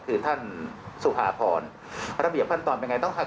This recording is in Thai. คือท่านสุภาพรระเบียบขั้นตอนเป็นอย่างไร